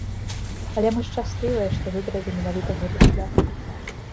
Але мы шчаслівыя, што выбралі менавіта гэты шлях.